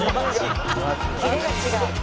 「キレが違う」